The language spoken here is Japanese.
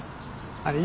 あれ